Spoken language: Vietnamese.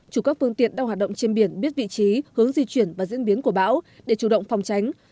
chủ các phương tiện đang hoạt động trên biển biết vị trí hướng di chuyển và diễn biến của bão để chủ động phòng tránh